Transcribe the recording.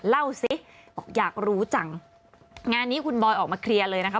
เล่าสิบอกอยากรู้จังงานนี้คุณบอยออกมาเคลียร์เลยนะคะ